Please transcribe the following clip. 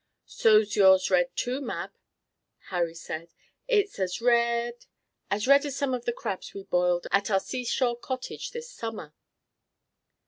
"So's your's red, too, Mab!" Harry said. "It's as red as red as some of the crabs we boiled at our seashore cottage this summer."